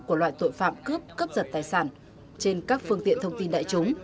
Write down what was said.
của loại tội phạm cướp cướp giật tài sản trên các phương tiện thông tin đại chúng